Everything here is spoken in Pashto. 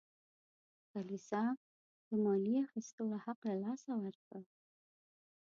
کلیسا د مالیې اخیستلو حق له لاسه ورکړ.